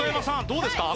どうですか？